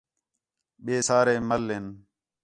ٻئے سارے مَل ہِن